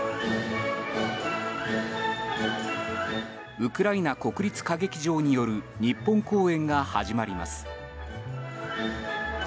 ウクライナ国立歌劇場による日本公演が始まります。